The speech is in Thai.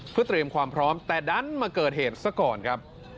เพื่อเตรียมความพร้อมแต่ดันมาเกิดเหตุซะก่อนครับ